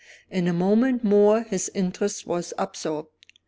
In a moment more his interest was absorbed.